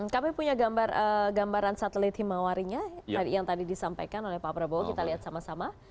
kami punya gambaran satelit himawarinya yang tadi disampaikan oleh pak prabowo kita lihat sama sama